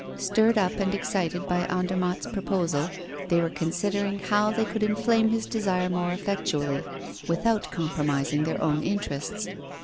Stirred up and excited by Andermatt's proposal, they were considering how they could inflame his desire more effectually without compromising their own interests.